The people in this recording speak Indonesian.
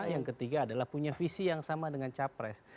yang ketiga adalah punya visi yang sama dengan capres